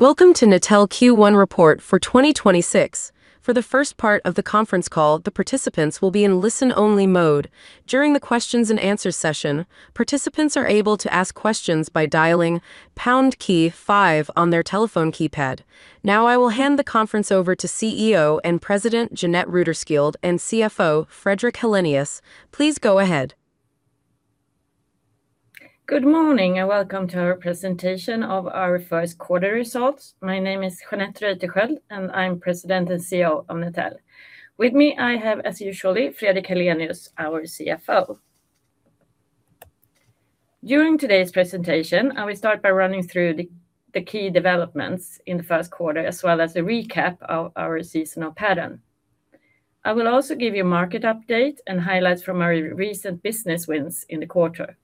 Welcome to Netel Q1 report for 2026. For the first part of the conference call, the participants will be in listen-only mode. During the questions-and-answers session, participants are able to ask questions by dialing pound key five on their telephone keypad. Now I will hand the conference over to CEO and President, Jeanette Reuterskiöld, and CFO, Fredrik Helenius. Please go ahead. Good morning, and welcome to our presentation of our first quarter results. My name is Jeanette Reuterskiöld, and I'm President and CEO of Netel. With me, I have, as usual, Fredrik Helenius, our CFO. During today's presentation, I will start by running through the key developments in the first quarter, as well as a recap of our seasonal pattern. I will also give you market update and highlights from our recent business wins in the quarter.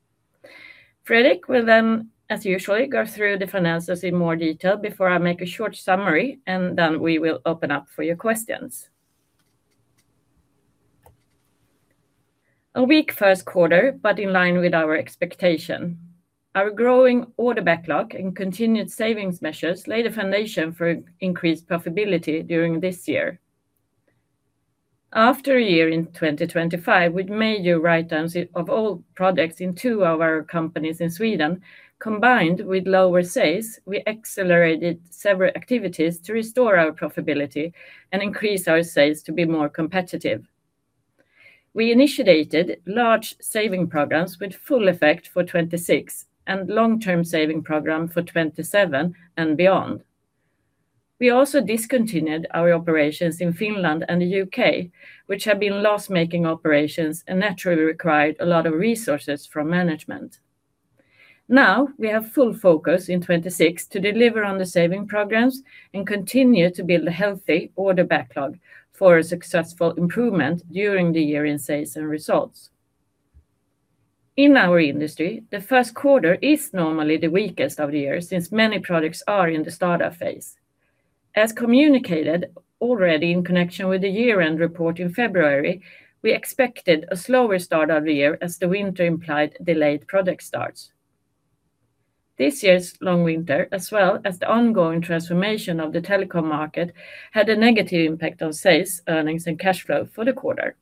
Fredrik will then, as usual, go through the finances in more detail before I make a short summary, and then we will open up for your questions. A weak first quarter, but in line with our expectation. Our growing order backlog and continued savings measures lay the foundation for increased profitability during this year. After a year in 2025 with major writedowns of all projects in two of our companies in Sweden, combined with lower sales, we accelerated several activities to restore our profitability and increase our sales to be more competitive. We initiated large saving programs with full effect for 2026 and long-term saving program for 2027 and beyond. We also discontinued our operations in Finland and the U.K., which have been loss-making operations and naturally required a lot of resources from management. Now, we have full focus in 2026 to deliver on the saving programs and continue to build a healthy order backlog for a successful improvement during the year in sales and results. In our industry, the first quarter is normally the weakest of the year since many projects are in the startup phase. As communicated already in connection with the year-end report in February, we expected a slower start of the year as the winter implied delayed project starts. This year's long winter, as well as the ongoing transformation of the Telecom market, had a negative impact on sales, earnings, and cash flow for the quarter.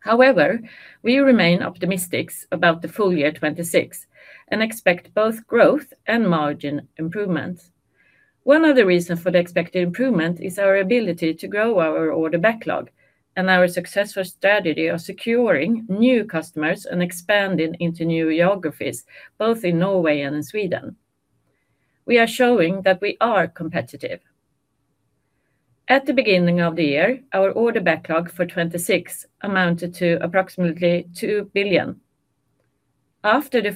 However, we remain optimistic about the full year 2026 and expect both growth and margin improvements. One of the reasons for the expected improvement is our ability to grow our order backlog and our successful strategy of securing new customers and expanding into new geographies, both in Norway and in Sweden. We are showing that we are competitive. At the beginning of the year, our order backlog for 2026 amounted to approximately 2 billion. After the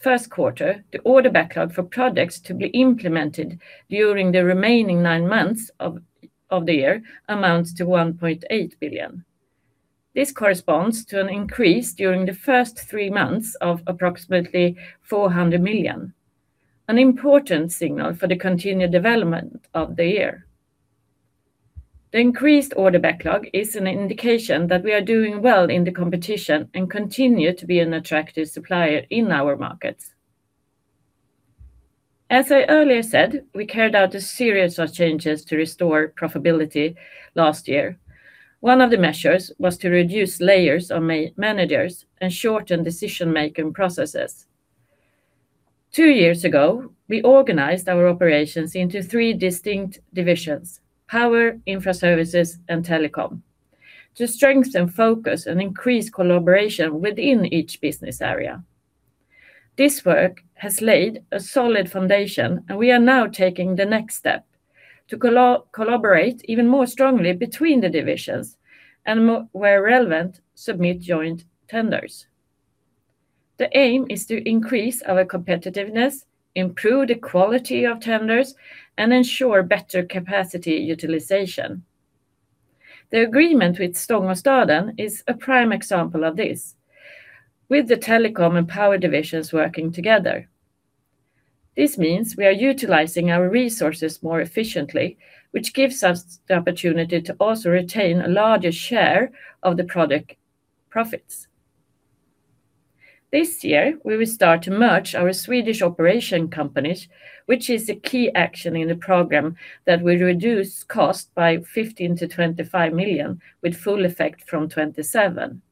first quarter, the order backlog for projects to be implemented during the remaining nine months of the year amounts to 1.8 billion. This corresponds to an increase during the first three months of approximately 400 million, an important signal for the continued development of the year. The increased order backlog is an indication that we are doing well in the competition and continue to be an attractive supplier in our markets. As I earlier said, we carried out a series of changes to restore profitability last year. One of the measures was to reduce layers of managers and shorten decision-making processes. Two years ago, we organized our operations into three distinct divisions: Power, Infraservices, and Telecom to strengthen focus and increase collaboration within each business area. This work has laid a solid foundation, and we are now taking the next step to collaborate even more strongly between the divisions and where relevant, submit joint tenders. The aim is to increase our competitiveness, improve the quality of tenders, and ensure better capacity utilization. The agreement with Stångåstaden is a prime example of this, with the Telecom and Power divisions working together. This means we are utilizing our resources more efficiently, which gives us the opportunity to also retain a larger share of the project profits. This year, we will start to merge our Swedish operating companies, which is a key action in the program that will reduce cost by 15 million-25 million, with full effect from 2027.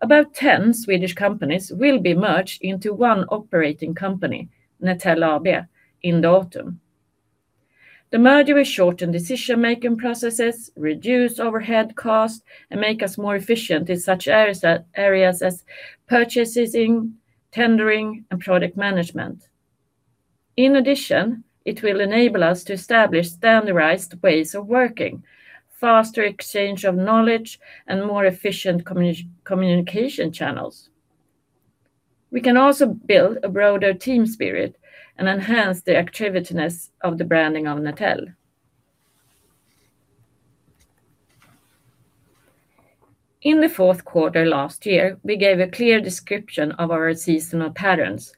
About 10 Swedish companies will be merged into one operating company, Netel AB, in the autumn. The merger will shorten decision-making processes, reduce overhead costs, and make us more efficient in such areas as purchasing, tendering, and project management. In addition, it will enable us to establish standardized ways of working, faster exchange of knowledge, and more efficient communication channels. We can also build a broader team spirit and enhance the attractiveness of the branding of Netel. In the fourth quarter last year, we gave a clear description of our seasonal patterns.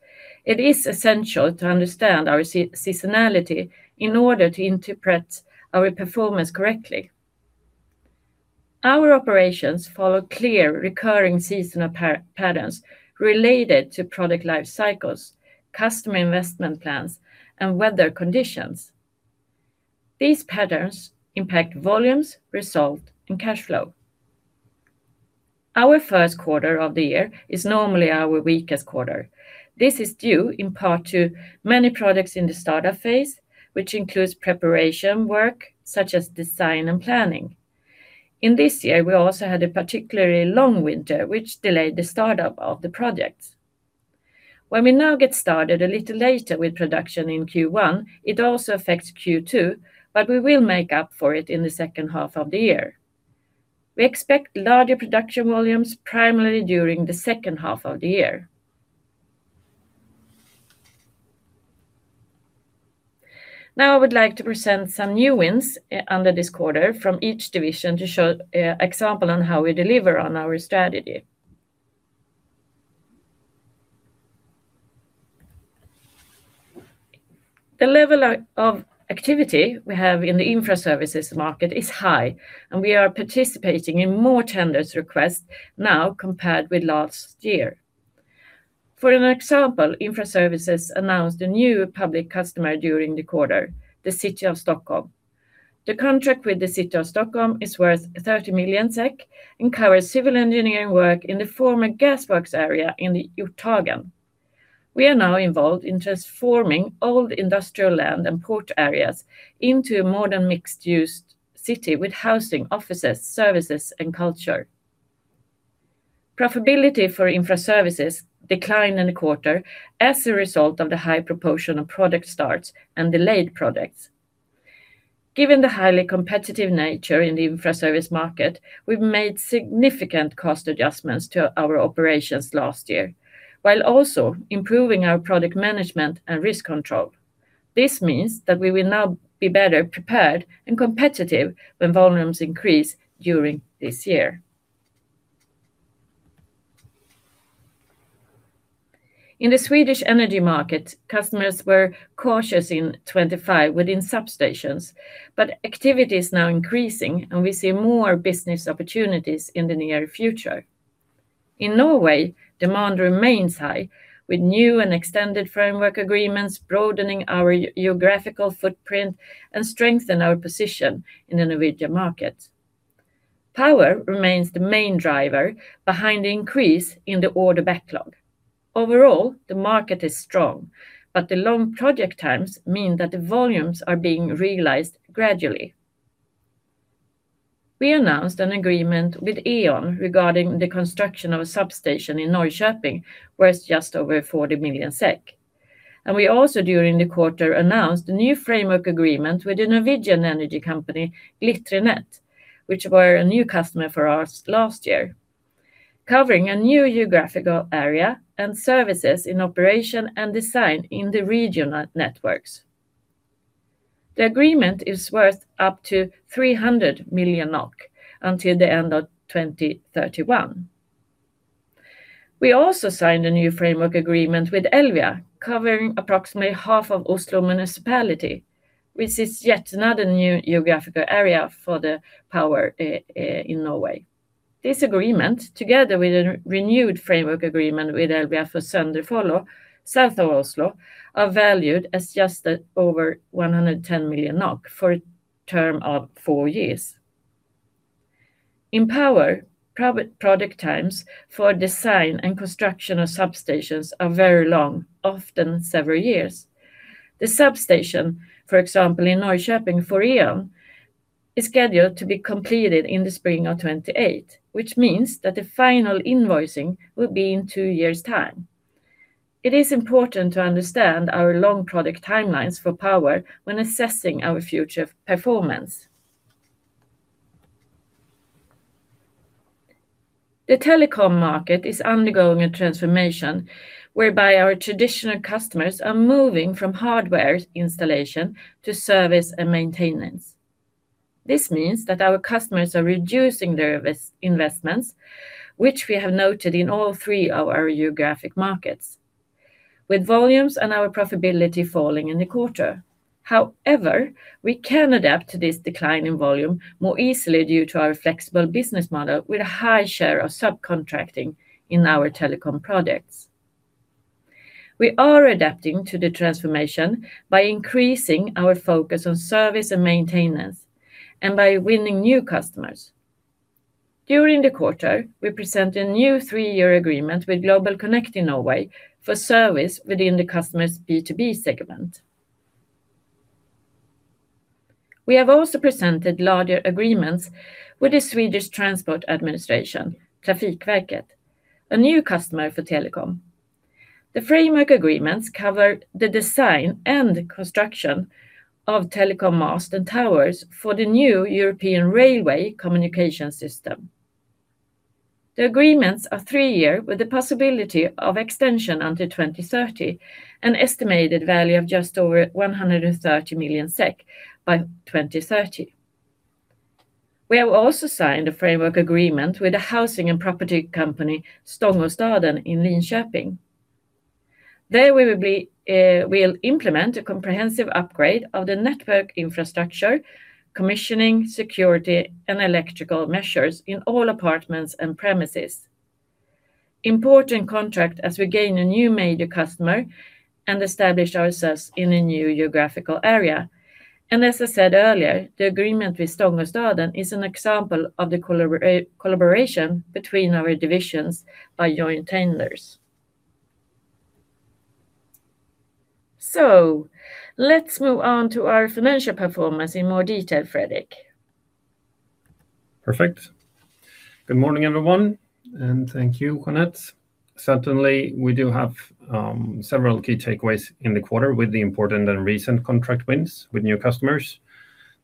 It is essential to understand our seasonality in order to interpret our performance correctly. Our operations follow clear recurring seasonal patterns related to product life cycles, customer investment plans, and weather conditions. These patterns impact volumes, result, and cash flow. Our first quarter of the year is normally our weakest quarter. This is due in part to many products in the startup phase, which includes preparation work such as design and planning. In this year, we also had a particularly long winter, which delayed the startup of the projects. When we now get started a little later with production in Q1, it also affects Q2, but we will make up for it in the second half of the year. We expect larger production volumes primarily during the second half of the year. Now, I would like to present some new wins under this quarter from each division to show example on how we deliver on our strategy. The level of activity we have in the Infraservices market is high, and we are participating in more tenders requests now compared with last year. For an example, Infraservices announced a new public customer during the quarter, the city of Stockholm. The contract with the city of Stockholm is worth 30 million SEK and covers civil engineering work in the former gas works area in the Hjorthagen. We are now involved in transforming old industrial land and port areas into a modern, mixed-use city with housing, offices, services, and culture. Profitability for Infraservices declined in the quarter as a result of the high proportion of project starts and delayed projects. Given the highly competitive nature in the Infraservice market, we've made significant cost adjustments to our operations last year, while also improving our project management and risk control. This means that we will now be better prepared and competitive when volumes increase during this year. In the Swedish energy market, customers were cautious in 2025 within substations, but activity is now increasing, and we see more business opportunities in the near future. In Norway, demand remains high with new and extended framework agreements, broadening our geographical footprint and strengthen our position in the Norwegian market. Power remains the main driver behind the increase in the order backlog. Overall, the market is strong, but the long project times mean that the volumes are being realized gradually. We announced an agreement with E.ON regarding the construction of a substation in Norrköping worth just over 40 million SEK. We also during the quarter, announced a new framework agreement with the Norwegian energy company, Glitre Nett, which were a new customer for us last year, covering a new geographical area and services in operation and design in the regional networks. The agreement is worth up to 300 million NOK until the end of 2031. We also signed a new framework agreement with Elvia, covering approximately half of Oslo municipality, which is yet another new geographical area for the Power in Norway. This agreement, together with a renewed framework agreement with Elvia for Sandefjord, south of Oslo, are valued as just over 110 million NOK for a term of four years. In Power, project times for design and construction of substations are very long, often several years. The substation, for example, in Norrköping for E.ON, is scheduled to be completed in the spring of 2028, which means that the final invoicing will be in two years' time. It is important to understand our long product timelines for Power when assessing our future performance. The Telecom market is undergoing a transformation whereby our traditional customers are moving from hardware installation to service and maintenance. This means that our customers are reducing their investments, which we have noted in all three of our geographic markets, with volumes and our profitability falling in the quarter. However, we can adapt to this decline in volume more easily due to our flexible business model with a high share of subcontracting in our Telecom projects. We are adapting to the transformation by increasing our focus on service and maintenance and by winning new customers. During the quarter, we present a new three-year agreement with GlobalConnect in Norway for service within the customer's B2B segment. We have also presented larger agreements with the Swedish Transport Administration, Trafikverket, a new customer for Telecom. The framework agreements cover the design and construction of Telecom masts and towers for the new European railway communication system. The agreements are three-year with the possibility of extension until 2030, an estimated value of just over 130 million SEK by 2030. We have also signed a framework agreement with the housing and property company Stångåstaden in Linköping. There we'll implement a comprehensive upgrade of the network infrastructure, commissioning security and electrical measures in all apartments and premises. Important contract as we gain a new major customer and establish ourselves in a new geographical area. As I said earlier, the agreement with Stångåstaden is an example of the collaboration between our divisions by joint tenders. Let's move on to our financial performance in more detail, Fredrik. Perfect. Good morning, everyone, and thank you, Jeanette. Certainly, we do have several key takeaways in the quarter with the important and recent contract wins with new customers,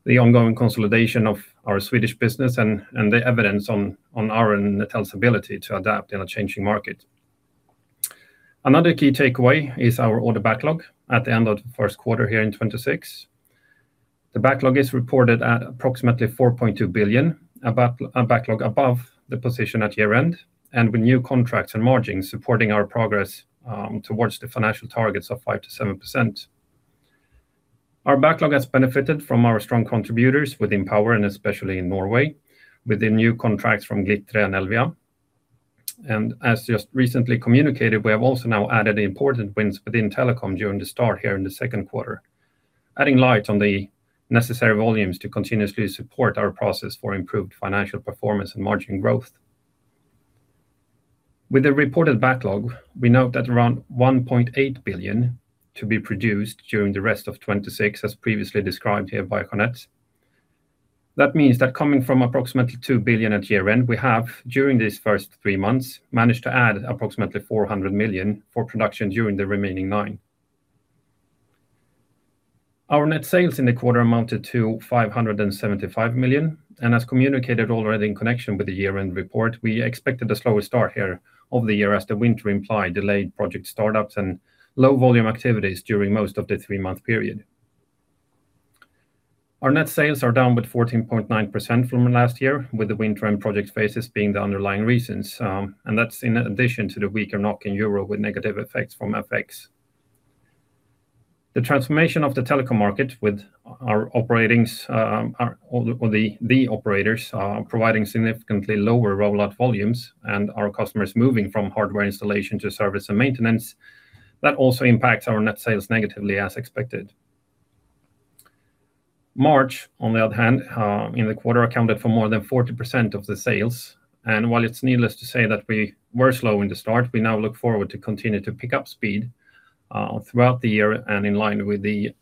the ongoing consolidation of our Swedish business and the evidence of our and Netel's ability to adapt in a changing market. Another key takeaway is our order backlog at the end of the first quarter here in 2026. The backlog is reported at approximately 4.2 billion, a backlog above the position at year-end, and with new contracts and margins supporting our progress towards the financial targets of 5%-7%. Our backlog has benefited from our strong contributors within Power and especially in Norway, with the new contracts from Glitre and Elvia. As just recently communicated, we have also now added important wins within Telecom during the start here in the second quarter, adding light on the necessary volumes to continuously support our process for improved financial performance and margin growth. With the reported backlog, we note that around 1.8 billion to be produced during the rest of 2026, as previously described here by Jeanette. That means that coming from approximately 2 billion at year-end, we have, during these first three months, managed to add approximately 400 million for production during the remaining nine. Our net sales in the quarter amounted to 575 million, and as communicated already in connection with the year-end report, we expected a slower start here of the year as the winter implied delayed project startups and low volume activities during most of the three-month period. Our net sales are down with 14.9% from last year, with the winter and project phases being the underlying reasons. That's in addition to the weaker NOK and euro with negative effects from FX. The transformation of the telecom market with the operators providing significantly lower rollout volumes and our customers moving from hardware installation to service and maintenance, that also impacts our net sales negatively as expected. March, on the other hand, in the quarter accounted for more than 40% of the sales. While it's needless to say that we were slow in the start, we now look forward to continue to pick up speed throughout the year and in line with the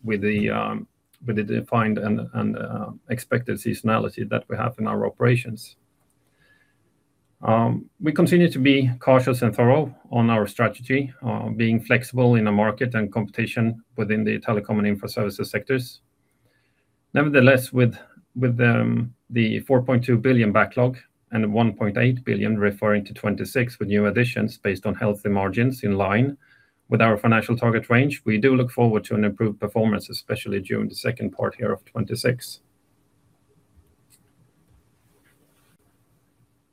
defined and expected seasonality that we have in our operations. We continue to be cautious and thorough on our strategy, being flexible in the market and competition within the Telecom and Infraservices sectors. Nevertheless, with the 4.2 billion backlog and 1.8 billion referring to 2026 with new additions based on healthy margins in line with our financial target range, we do look forward to an improved performance, especially during the second part here of 2026.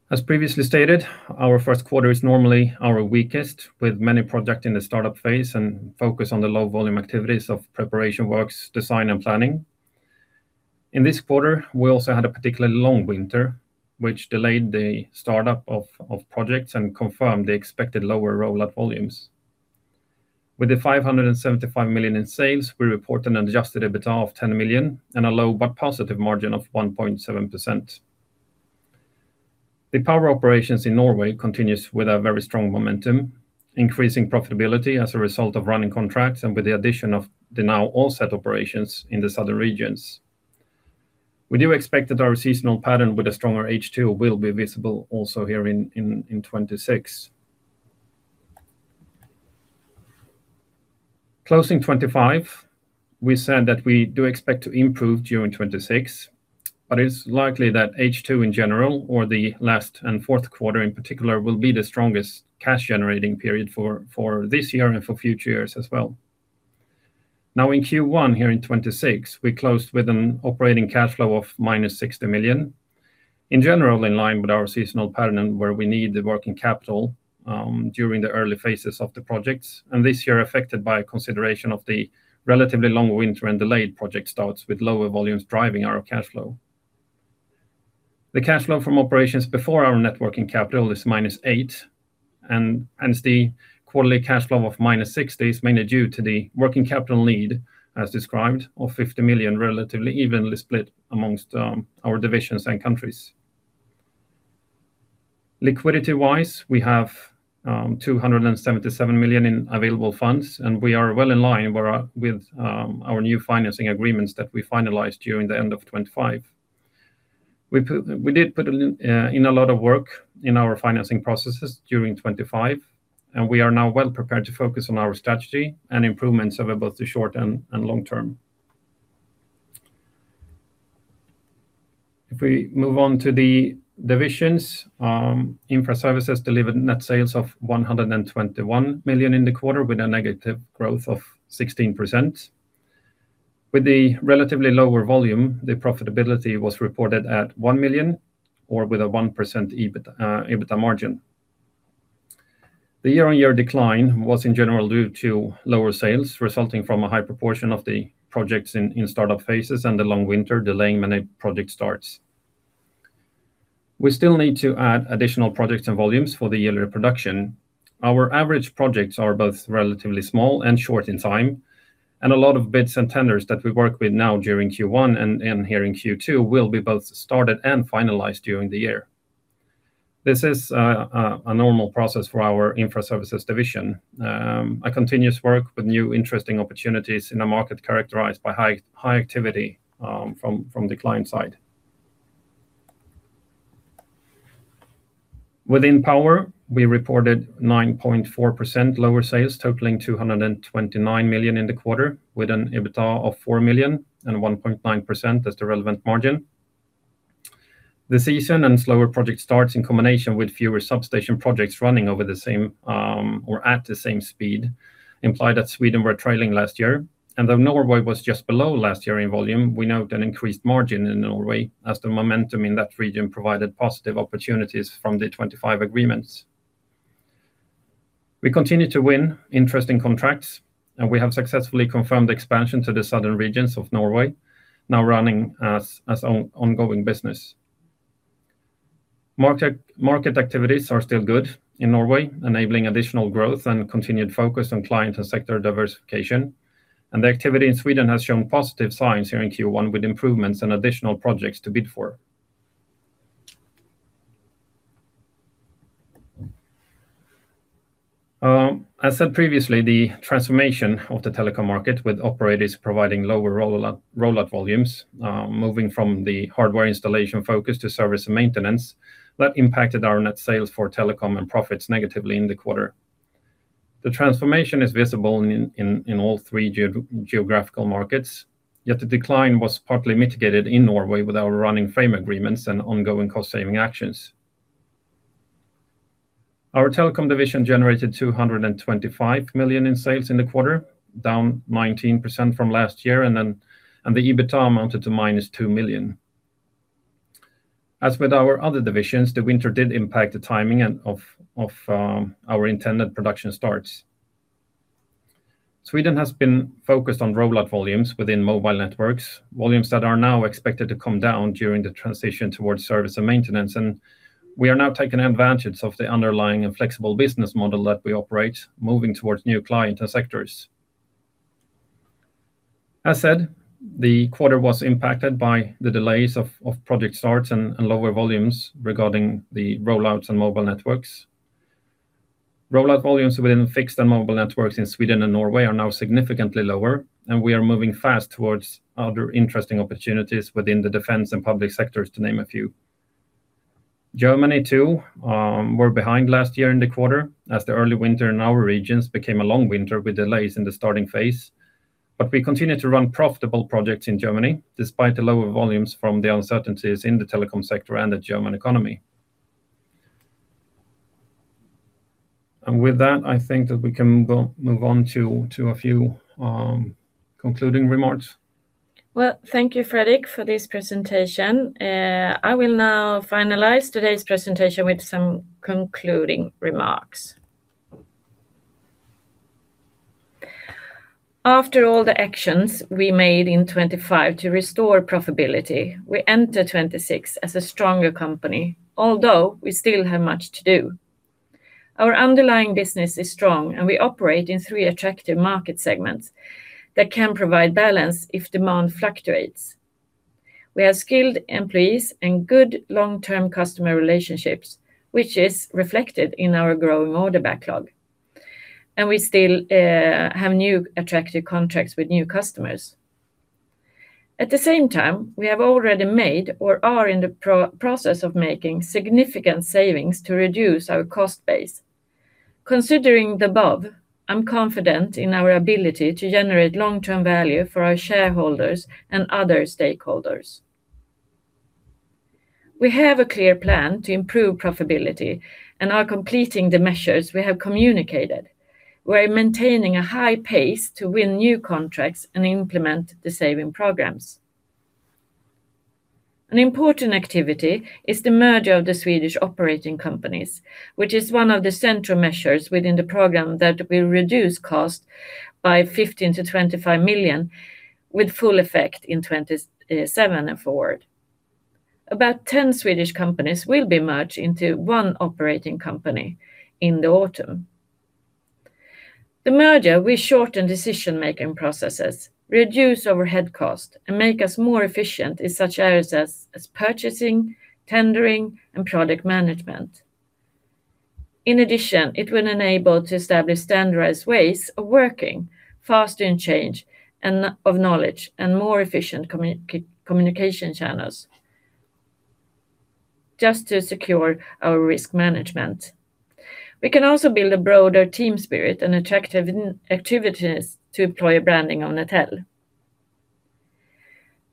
As previously stated, our first quarter is normally our weakest, with many projects in the startup phase and focus on the low volume activities of preparation works, design, and planning. In this quarter, we also had a particularly long winter, which delayed the startup of projects and confirmed the expected lower rollout volumes. With the 575 million in sales, we report an adjusted EBITDA of 10 million and a low but positive margin of 1.7%. The Power operations in Norway continues with a very strong momentum, increasing profitability as a result of running contracts and with the addition of the now all set operations in the southern regions. We do expect that our seasonal pattern with a stronger H2 will be visible also here in 2026. Closing 2025, we said that we do expect to improve during 2026, but it's likely that H2 in general or the last and fourth quarter in particular will be the strongest cash-generating period for this year and for future years as well. Now, in Q1 here in 2026, we closed with an operating cash flow of -60 million. In general, in line with our seasonal pattern where we need the working capital during the early phases of the projects, and this year affected by consideration of the relatively long winter and delayed project starts with lower volumes driving our cash flow. The cash flow from operations before our net working capital is -8 million, and the quarterly cash flow of -60 million is mainly due to the working capital need as described of 50 million, relatively evenly split amongst our divisions and countries. Liquidity-wise, we have 277 million in available funds, and we are well in line with our new financing agreements that we finalized during the end of 2025. We did put in a lot of work in our financing processes during 2025, and we are now well prepared to focus on our strategy and improvements over both the short and long term. If we move on to the divisions, Infraservices delivered net sales of 121 million in the quarter with a negative growth of 16%. With the relatively lower volume, the profitability was reported at 1 million or with a 1% EBITDA margin. The year-on-year decline was in general due to lower sales resulting from a high proportion of the projects in startup phases and the long winter delaying many project starts. We still need to add additional projects and volumes for the yearly production. Our average projects are both relatively small and short in time, and a lot of bids and tenders that we work with now during Q1 and here in Q2 will be both started and finalized during the year. This is a normal process for our Infraservices division. A continuous work with new interesting opportunities in a market characterized by high activity from the client side. Within Power, we reported 9.4% lower sales totaling 229 million in the quarter, with an EBITDA of 4 million and 1.9% as the relevant margin. The season and slower project starts in combination with fewer substation projects running over the same, or at the same speed, implied that Sweden were trailing last year, and though Norway was just below last year in volume, we note an increased margin in Norway as the momentum in that region provided positive opportunities from the 2025 agreements. We continue to win interesting contracts, and we have successfully confirmed the expansion to the southern regions of Norway, now running as ongoing business. Market activities are still good in Norway, enabling additional growth and continued focus on client and sector diversification. The activity in Sweden has shown positive signs here in Q1 with improvements and additional projects to bid for. As said previously, the transformation of the Telecom market with operators providing lower rollout volumes, moving from the hardware installation focus to service and maintenance, that impacted our net sales for Telecom and profits negatively in the quarter. The transformation is visible in all three geographical markets. The decline was partly mitigated in Norway with our running frame agreements and ongoing cost-saving actions. Our Telecom division generated 225 million in sales in the quarter, down 19% from last year, and the EBITDA amounted to -2 million. As with our other divisions, the winter did impact the timing of our intended production starts. Sweden has been focused on rollout volumes within mobile networks, volumes that are now expected to come down during the transition towards service and maintenance, and we are now taking advantage of the underlying and flexible business model that we operate, moving towards new client and sectors. As said, the quarter was impacted by the delays of project starts and lower volumes regarding the rollouts and mobile networks. Rollout volumes within fixed and mobile networks in Sweden and Norway are now significantly lower, and we are moving fast towards other interesting opportunities within the defense and public sectors to name a few. Germany too, were behind last year in the quarter as the early winter in our regions became a long winter with delays in the starting phase. We continue to run profitable projects in Germany despite the lower volumes from the uncertainties in the Telecom sector and the German economy. With that, I think that we can move on to a few concluding remarks. Well, thank you, Fredrik, for this presentation. I will now finalize today's presentation with some concluding remarks. After all the actions we made in 2025 to restore profitability, we enter 2026 as a stronger company, although we still have much to do. Our underlying business is strong, and we operate in three attractive market segments that can provide balance if demand fluctuates. We have skilled employees and good long-term customer relationships, which is reflected in our growing order backlog. We still have new attractive contracts with new customers. At the same time, we have already made or are in the process of making significant savings to reduce our cost base. Considering the above, I'm confident in our ability to generate long-term value for our shareholders and other stakeholders. We have a clear plan to improve profitability and are completing the measures we have communicated. We're maintaining a high pace to win new contracts and implement the savings programs. An important activity is the merger of the Swedish operating companies, which is one of the central measures within the program that will reduce cost by 15 million-25 million with full effect in 2027 and forward. About 10 Swedish companies will be merged into one operating company in the autumn. The merger will shorten decision-making processes, reduce overhead cost, and make us more efficient in such areas as purchasing, tendering, and product management. In addition, it will enable to establish standardized ways of working faster exchange of knowledge and more efficient communication channels just to secure our risk management. We can also build a broader team spirit and attractive activities to improve the branding of Netel.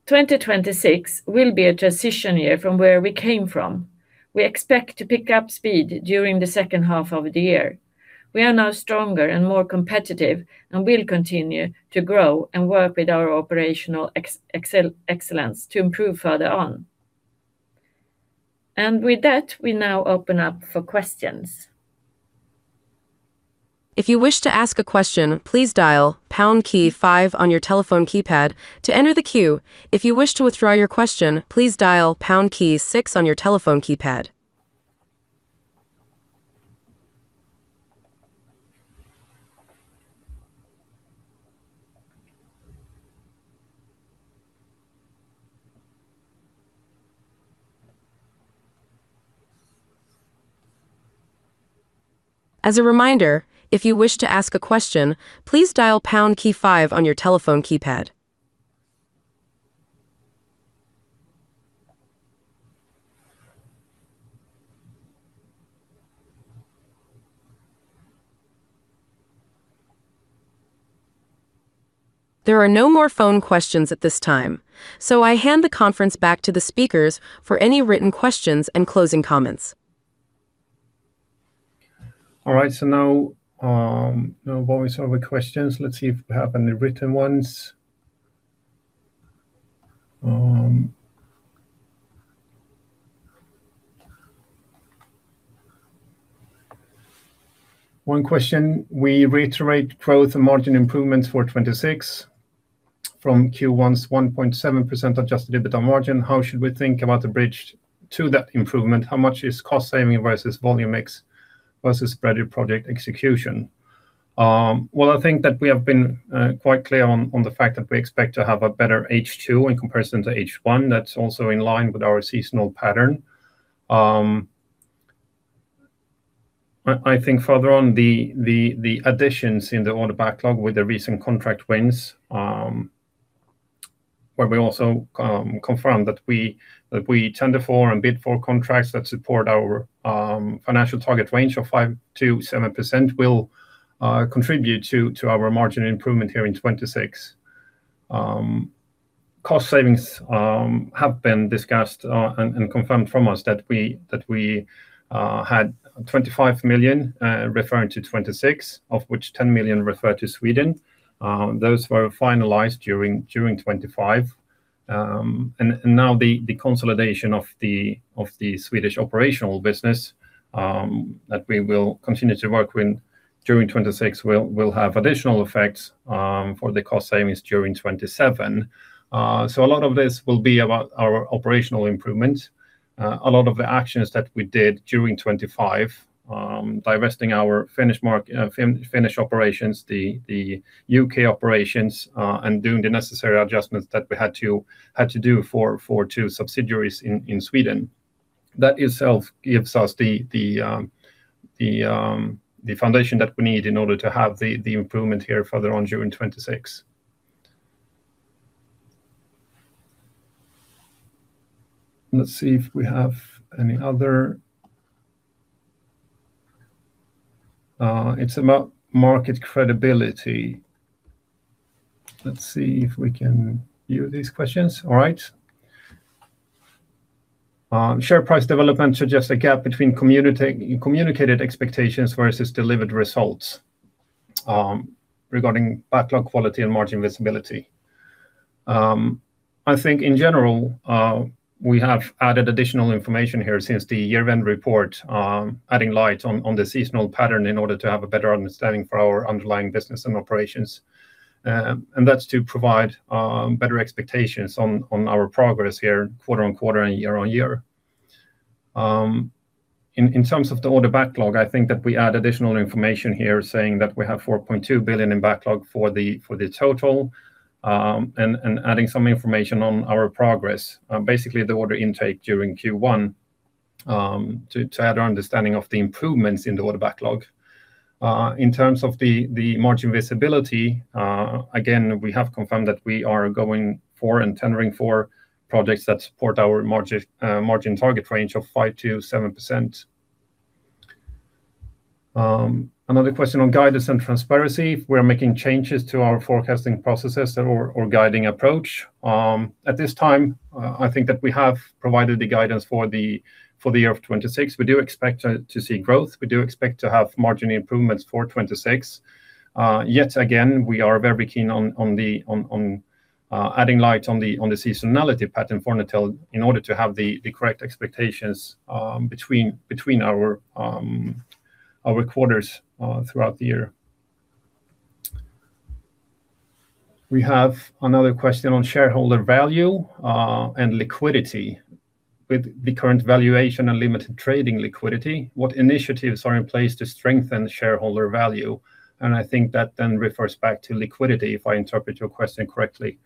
2026 will be a transition year from where we came from. We expect to pick up speed during the second half of the year. We are now stronger and more competitive and will continue to grow and work with our operational excellence to improve further on. With that, we now open up for questions. If you wish to ask a question, please dial pound key five on your telephone keypad to enter the queue. If you wish to withdraw your question, please dial pound key six on your telephone keypad. As a reminder, if you wish to ask a question, please dial pound key five on your telephone keypad. There are no more phone questions at this time. So, I hand the conference back to the speakers for any written questions and closing comments. All right. Now, no voiceover questions. Let's see if we have any written ones. One question. We reiterate growth and margin improvements for 2026 from Q1's 1.7% adjusted EBITDA margin. How should we think about the bridge to that improvement? How much is cost saving versus volume mix versus spread project execution? Well, I think that we have been quite clear on the fact that we expect to have a better H2 in comparison to H1. That's also in line with our seasonal pattern. I think further on the additions in the order backlog with the recent contract wins, where we also confirm that we tender for and bid for contracts that support our financial target range of 5%-7% will contribute to our margin improvement here in 2026. Cost savings have been discussed, and confirmed from us that we had 25 million, referring to 2026, of which 10 million refer to Sweden. Those were finalized during 2025. Now the consolidation of the Swedish operational business, that we will continue to work with during 2026 will have additional effects for the cost savings during 2027. A lot of this will be about our operational improvement, a lot of the actions that we did during 2025, divesting our Finnish operations, the U.K. operations, and doing the necessary adjustments that we had to do for two subsidiaries in Sweden. That itself gives us the foundation that we need in order to have the improvement here further on during 2026. Let's see if we have any other. It's about market credibility. Let's see if we can view these questions. All right. Share price development suggests a gap between communicated expectations versus delivered results, regarding backlog quality and margin visibility. I think in general, we have added additional information here since the year-end report, shedding light on the seasonal pattern in order to have a better understanding of our underlying business and operations. That's to provide better expectations on our progress here quarter-on-quarter and year-on-year. In terms of the order backlog, I think that we add additional information here saying that we have 4.2 billion in backlog for the total, and adding some information on our progress, basically the order intake during Q1, to aid our understanding of the improvements in the order backlog. In terms of the margin visibility, again, we have confirmed that we are going for and tendering for projects that support our margin target range of 5%-7%. Another question on guidance and transparency. If we're making changes to our forecasting processes or guiding approach. At this time, I think that we have provided the guidance for the year of 2026. We do expect to see growth. We do expect to have margin improvements for 2026. Yet again, we are very keen on shedding light on the seasonality pattern for Netel in order to have the correct expectations between our quarters throughout the year. We have another question on shareholder value, and liquidity. With the current valuation and limited trading liquidity, what initiatives are in place to strengthen shareholder value? I think that then refers back to liquidity, if I interpret your question correctly.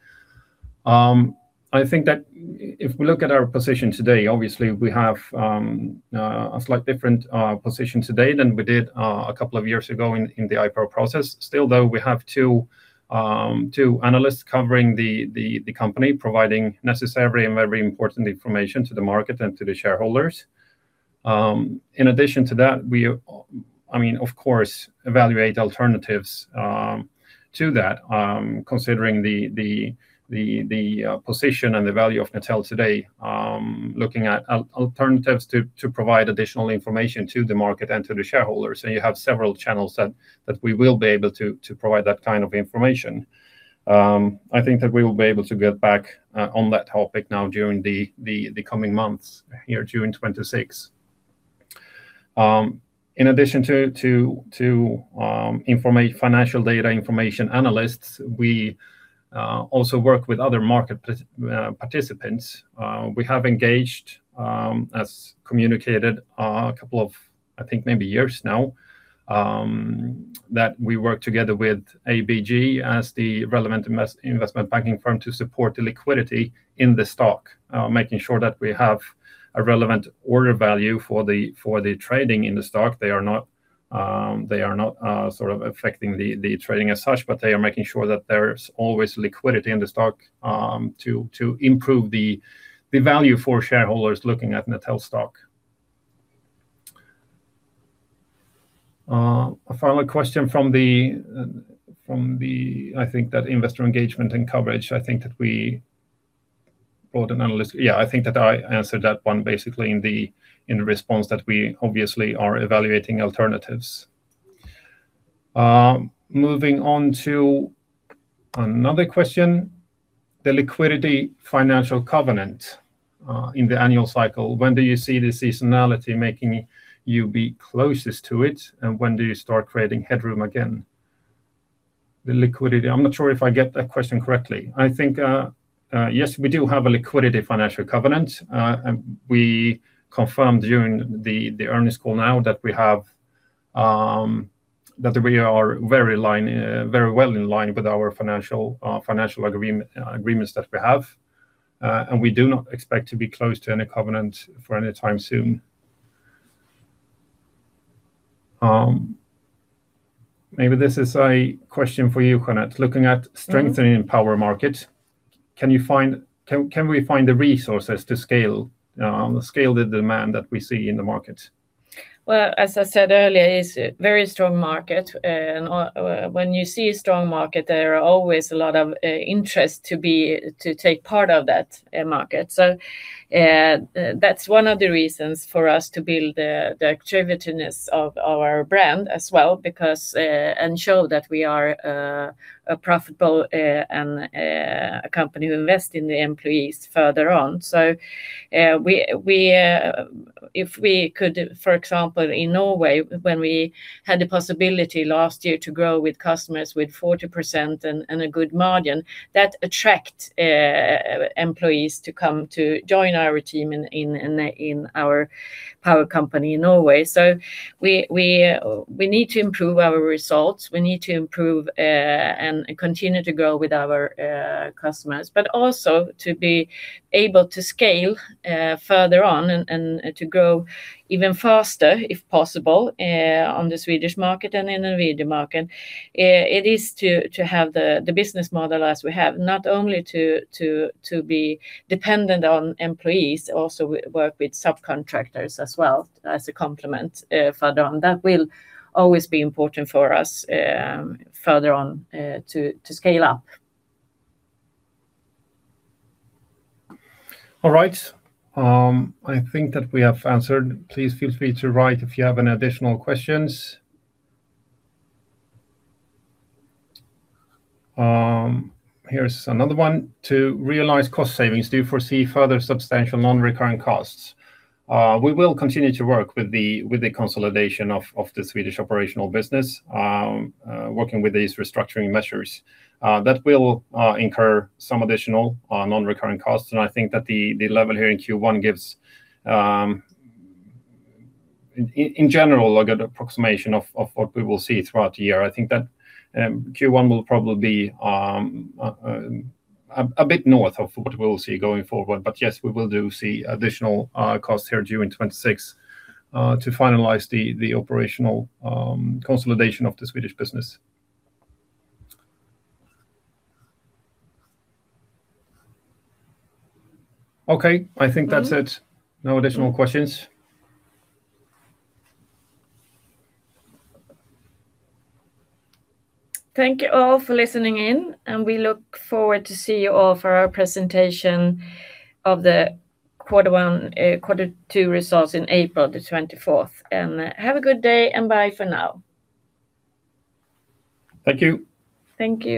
I think that if we look at our position today, obviously, we have a slightly different position today than we did a couple of years ago in the IPO process. Still, though, we have two analysts covering the company, providing necessary and very important information to the market and to the shareholders. In addition to that, we of course evaluate alternatives to that, considering the position and the value of Netel today, looking at alternatives to provide additional information to the market and to the shareholders. You have several channels that we will be able to provide that kind of information. I think that we will be able to get back on that topic now during the coming months here during 2026. In addition to informing financial data to analysts, we also work with other market participants. We have engaged, as communicated a couple of, I think, maybe years now, that we work together with ABG as the relevant investment banking firm to support the liquidity in the stock, making sure that we have a relevant order value for the trading in the stock. They are not affecting the trading as such, but they are making sure that there's always liquidity in the stock to improve the value for shareholders looking at Netel stock. A final question from the investor engagement and coverage, I think that I answered that one basically in the response that we obviously are evaluating alternatives. Moving on to another question, the liquidity financial covenant in the annual cycle, when do you see the seasonality making you be closest to it, and when do you start creating headroom again? The liquidity, I'm not sure if I get that question correctly. I think, yes, we do have a liquidity financial covenant. We confirmed during the earnings call now that we are very well in line with our financial agreements that we have. We do not expect to be close to any covenant for any time soon. Maybe this is a question for you, Jeanette. Looking at strengthening Power market, can we find the resources to scale the demand that we see in the market? Well, as I said earlier, it is a very strong market. When you see a strong market, there are always a lot of interest to take part of that market. That's one of the reasons for us to build the attractiveness of our brand as well and show that we are a profitable, and a company who invest in the employees further on. If we could, for example, in Norway when we had the possibility last year to grow with customers with 40% and a good margin, that attract employees to come to join our team in our Power company in Norway. We need to improve our results and continue to grow with our customers, but also to be able to scale further on and to grow even faster, if possible, on the Swedish market and in the Norwegian market. It is to have the business model as we have, not only to be dependent on employees, also work with subcontractors as well as a complement further on. That will always be important for us further on to scale up. All right. I think that we have answered. Please feel free to write if you have any additional questions. Here's another one: To realize cost savings, do you foresee further substantial non-recurring costs? We will continue to work with the consolidation of the Swedish operational business, working with these restructuring measures. That will incur some additional non-recurring costs, and I think that the level here in Q1 gives, in general, a good approximation of what we will see throughout the year. I think that Q1 will probably be a bit north of what we'll see going forward. But yes, we do see additional costs here during 2026 to finalize the operational consolidation of the Swedish business. Okay. I think that's it. No additional questions. Thank you all for listening in, and we look forward to see you all for our presentation of the quarter two results in April the 24th. Have a good day, and bye for now. Thank you. Thank you.